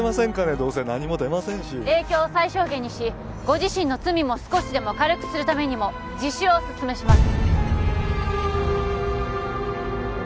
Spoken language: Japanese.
どうせ何も出ませんし影響を最小限にしご自身の罪も少しでも軽くするためにも自首をお勧めします